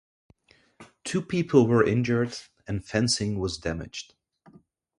Two people were injured and fencing was damaged.